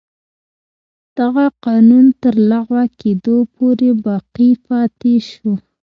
دغه قانون تر لغوه کېدو پورې باقي پاتې شو.